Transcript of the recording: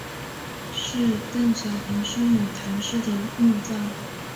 是邓小平生母谈氏的墓葬。